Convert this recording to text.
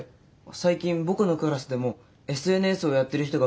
最近僕のクラスでもＳＮＳをやってる人が増えたんですよ。